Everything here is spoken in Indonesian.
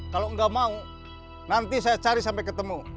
kalau nggak mau nanti saya cari sampai ketemu